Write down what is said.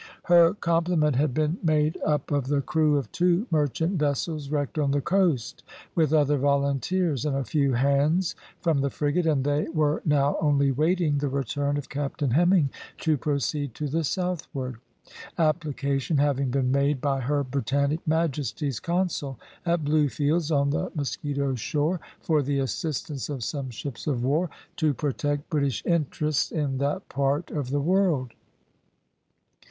Her complement had been made up of the crew of two merchant vessels wrecked on the coast, with other volunteers, and a few hands from the frigate, and they were now only waiting the return of Captain Hemming to proceed to the southward, application having been made by her Britannic Majesty's consul at Bluefields on the Mosquito shore for the assistance of some ships of war, to protect British interests in that part of the world.